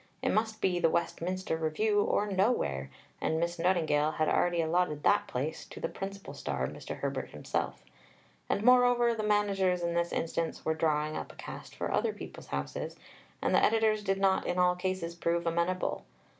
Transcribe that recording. It must be the Westminster Review or nowhere, and Miss Nightingale had already allotted that place to the principal star, Mr. Herbert himself. And, moreover, the managers in this instance were drawing up a cast for other people's houses, and the editors did not in all cases prove amenable.